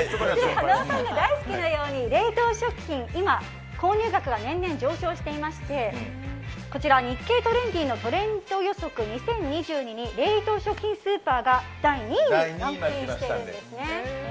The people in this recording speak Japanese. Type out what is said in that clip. はなわさんが大好きな冷凍食品は今、購入額が年々上昇していてこちら、「日経トレンディ」のトレンド予測２０２２に冷凍食品スーパーが第２位にランクインしたんですね。